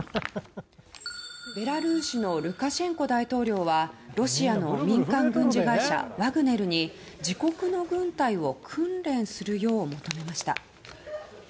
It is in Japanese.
ベラルーシのルカシェンコ大統領はロシアの民間軍事会社ワグネルに自国の軍隊を訓練するよう求めました。